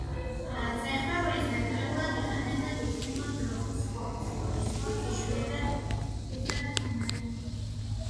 ძეხვეულის ნედლეულად იყენებენ უცხიმო ძროხის ხორცს, ღორის ხორცს, იშვიათად ცხვრისა და ფრინველის ხორცს.